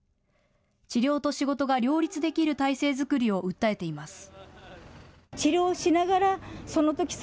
治療と仕事が両立できる体制づくりを訴えています。